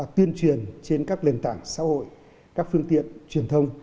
tuyên truyền trên các lền tảng xã hội các phương tiện truyền thông